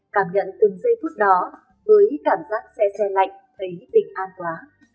cảm nhận từng giây phút đó với cảm giác xe xe lạnh thấy tỉnh an quá